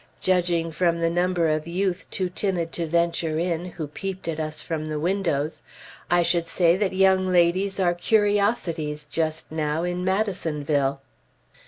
Judging from the number of youth too timid to venture in, who peeped at us from the windows, I should say that young ladies are curiosities just now in Madisonville.